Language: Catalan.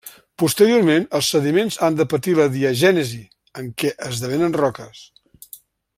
Posteriorment, els sediments han de patir la diagènesi en què esdevenen roques.